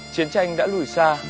chiến tranh đã lùi xa